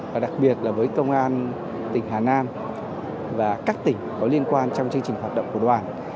và đặc biệt là với công an tỉnh hà nam và các tỉnh có liên quan trong chương trình hoạt động của đoàn